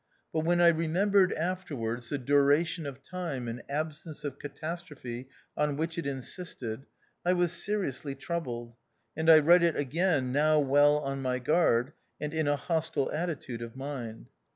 But when I remembered afterwards the duration of time and absence of catastrophe on which it insisted, I was seriously troubled, and I read it again, now well on my guard, and in a hostile attitude of mind.